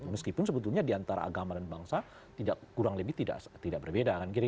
meskipun sebetulnya diantara agama dan bangsa kurang lebih tidak berbeda